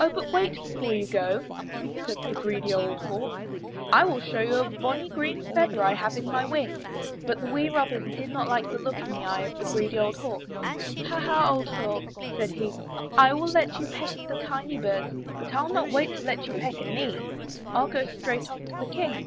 "Oh, but wait before you go," said the greedy old Hawk, "and I will show you a bonny green feather I have in my wing." But the wee Robin did not like the look in the eye of the greedy old Hawk. Ha! Ha! old Hawk," said he, "I saw you peck at the tiny birds, but Fll not wait to let you peck at me. ril go straight on to the King!"